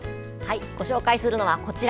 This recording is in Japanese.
ご紹介するのはこちら。